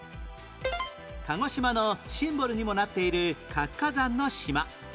鹿児島のシンボルにもなっている活火山の島